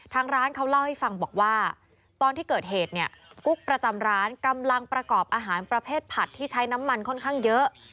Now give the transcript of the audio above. ทางร้านเขาเล่าให้ฟังบอกว่าตอนที่เกิดเหตุเนี่ยกุ๊กประจำร้านกำลังประกอบอาหารประเภทผัดที่ใช้น้ำมันค่อนข้างเยอะ